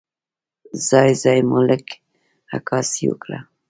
ځای ځای مو لږه عکاسي وکړه.